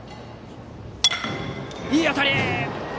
いい当たり！